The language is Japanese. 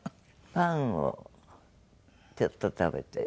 パンをちょっと食べて。